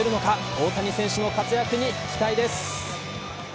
大谷選手の活躍に期待です。